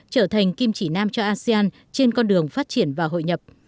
trở thành kim chỉ nam cho asean trên con đường phát triển và hội nhập